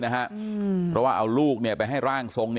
เพราะว่าเอาลูกไปให้ร่างทรง